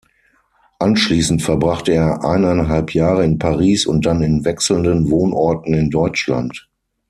Anschließend verbrachte er eineinhalb Jahre in Paris und dann an wechselnden Wohnorten in Deutschland.